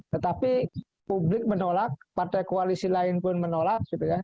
tetapi publik menolak partai koalisi lain pun menolak